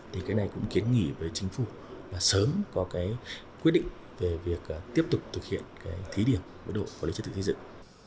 thì cái này cũng kiến nghị với chính phủ là sớm có cái quyết định về việc tiếp tục thực hiện cái thí điểm mức độ quản lý chất tự xây dựng